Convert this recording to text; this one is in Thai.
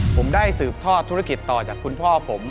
ผมได้สืบทอดธุรกิจต่อจากคุณพ่อผม